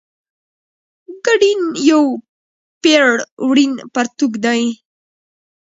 ګډین یو پېړ وړین پرتوګ دی.